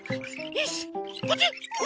よしこっち！